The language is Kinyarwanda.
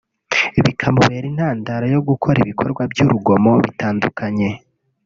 bikamubera intandaro yo gukora ibikorwa by’urugomo bitandukanye